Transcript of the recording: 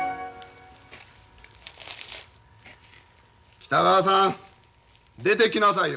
北川さん出てきなさいよ。